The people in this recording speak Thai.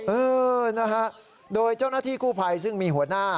เออนะฮะโดยเจ้าหน้าที่กู้ภัยซึ่งมีหัวหน้า